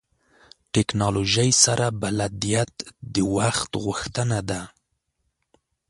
ټکنالوژۍ سره بلدیت د وخت غوښتنه ده.